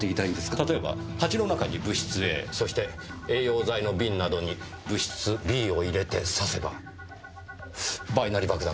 例えば鉢の中に物質Ａそして栄養剤の瓶などに物質Ｂを入れて挿せばバイナリ爆弾が成立しますね。